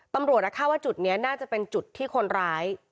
ตำรวจคาดว่าจุดนี้น่าจะเป็นจุดที่คนร้าย